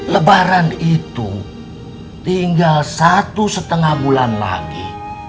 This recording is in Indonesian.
lebaran itu tinggal satu setengah bulan lagi